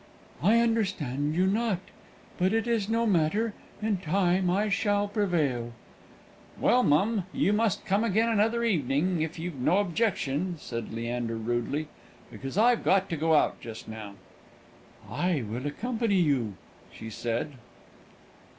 "I understand you not; but it is no matter. In time I shall prevail." "Well, mum, you must come again another evening, if you've no objection," said Leander, rudely, "because I've got to go out just now." "I will accompany you," she said.